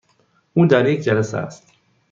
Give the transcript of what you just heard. او در یک جلسه است.